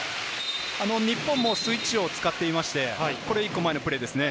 日本もスイッチを使っていて、これ一個前のプレーですね。